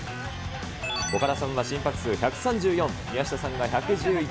岡田さんは心拍数１３４、宮下さんが１１１。